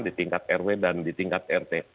di tingkat rw dan di tingkat rt